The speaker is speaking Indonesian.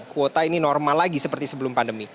kuota ini normal lagi seperti sebelum pandemi